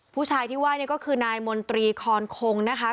ผู้ชายที่ว่านี่ก็คือนายมนตรีคอนคงนะคะ